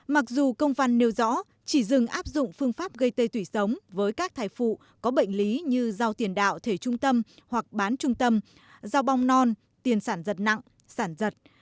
mặc dù công văn nêu rõ chỉ dừng áp dụng phương pháp gây tê tủy sống với các thai phụ có bệnh lý như giao tiền đạo thể trung tâm hoặc bán trung tâm giao bong non tiền sản dật nặng sản dật